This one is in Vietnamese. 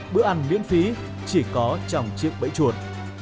bữa ăn miễn phí chỉ có trong chiếc bẫy chuột